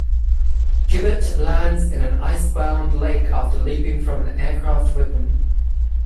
Gibert lands in an ice-bound lake after leaping from an aircraft with them.